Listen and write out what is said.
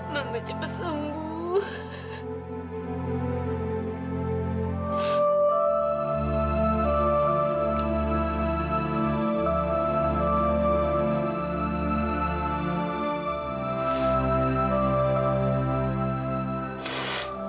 mama cepat sembuh